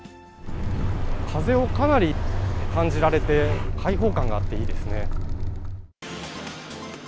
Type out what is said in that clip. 風をかなり感じられて、開放感があっていいですね。